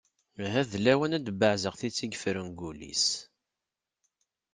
Ahat d lawan ad d-tebbeɛzaq tidet i yeffren deg wul-is.